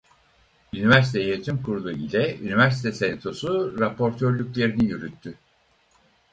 Üniversite Yönetim Kurulu ile Üniversite Senatosu raportörlüklerini yürüttü.